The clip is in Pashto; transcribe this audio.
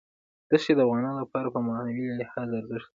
دښتې د افغانانو لپاره په معنوي لحاظ ارزښت لري.